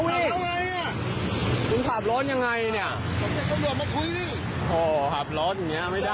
กับอะไรอ่ะคุณขับรถยังไงเนี้ยผมจะกำลังมาคุยโหขับรถอย่างเงี้ยไม่ได้